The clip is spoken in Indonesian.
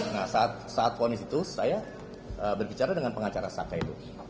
nah saat ponis itu saya berbicara dengan pengacara saka itu